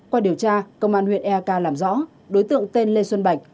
qua điều tra công an huyện eak làm rõ đối tượng tên lê xuân bạch